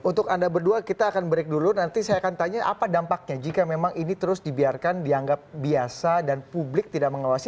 untuk anda berdua kita akan break dulu nanti saya akan tanya apa dampaknya jika memang ini terus dibiarkan dianggap biasa dan publik tidak mengawasi